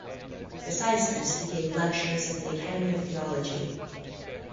Besides this he gave lectures at the academy of theology.